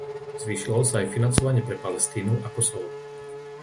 Zvýšilo sa aj financovanie pre Palestínu a Kosovo.